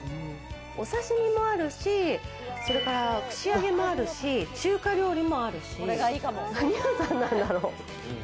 お刺身もあるし、串揚げもあるし、中華料理もあるし、何屋さんなんだろう？